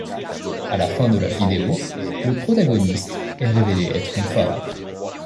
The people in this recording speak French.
À la fin de la vidéo, le protagoniste est révélé être une femme.